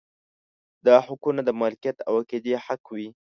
دا حقونه د مالکیت او عقیدې حق وي.